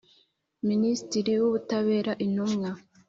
Minisitiri w ubutabera intumwa